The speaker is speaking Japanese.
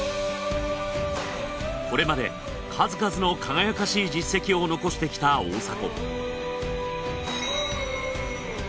これまで数々の輝かしい実績を残してきた大迫。